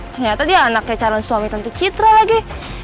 ternyata dia anaknya cialan suami tante citra lagi